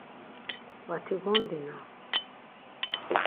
Vati gondina.